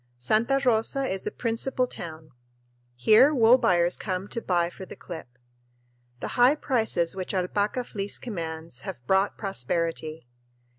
Santa Rosa is the principal town. Here wool buyers come to bid for the clip. The high prices which alpaca fleece commands have brought prosperity.